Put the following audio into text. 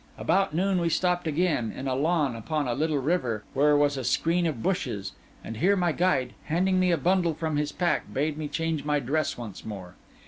About noon we stopped again, in a lawn upon a little river, where was a screen of bushes; and here my guide, handing me a bundle from his pack, bade me change my dress once more.